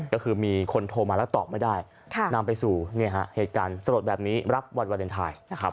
ก็คือมีคนโทรมาแล้วตอบไม่ได้นำไปสู่เหตุการณ์สลดแบบนี้รับวันวาเลนไทยนะครับ